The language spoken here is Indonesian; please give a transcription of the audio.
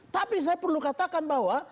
tapi saya perlu katakan bahwa